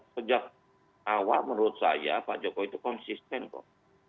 sejak awal menurut saya pak jokowi itu konsisten kok